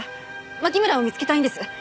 牧村を見つけたいんです。